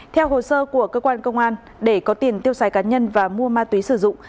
theo hồ sơ của cơ quan công an để có tiền tiêu xài cá nhân và mua ma túy sử dụng